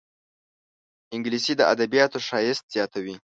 انګلیسي د ادبياتو ښایست زیاتوي